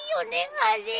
あれ！